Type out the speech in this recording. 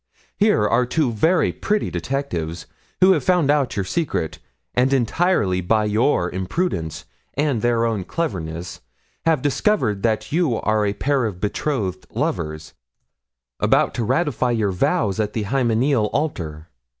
Here are two very pretty detectives who have found out your secret, and entirely by your imprudence and their own cleverness have discovered that you are a pair of betrothed lovers, about to ratify your vows at the hymeneal altar.